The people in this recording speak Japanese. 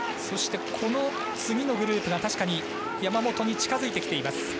そして、この次のグループが山本に近づいてきています。